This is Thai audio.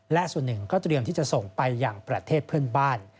และส่วนหนึ่งก็เตรียมที่จะส่งไปอย่างประเทศเพื่อนบ้าน